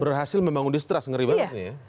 berhasil membangun distrust ngeri banget nih ya